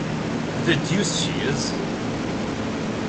The deuce she is!